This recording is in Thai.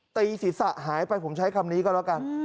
ตีศีรษะหายไปผมใช้คำนี้ก็แล้วกัน